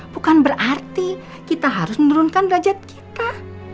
bukan berarti kita harus menurunkan derajat kita